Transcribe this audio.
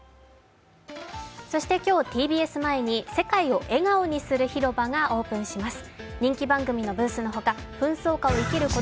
今日、ＴＢＳ前に世界を笑顔にする広場がオープンします。